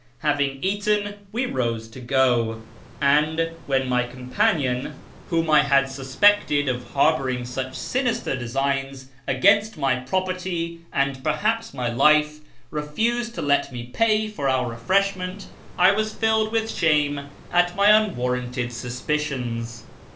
Having eaten, we rose to go ; and when my companion, whom I had sus 30 A YEAR AA/ONGSr THE PERSIANS pected of liarbouriug such sinister designs against my property and perhajvs my life, refused to let mo pay for our refreshment, I was idled with shame at my unAvarranted sus])icions.